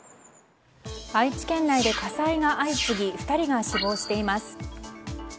愛知県内で火災が相次ぎ２人が死亡しています。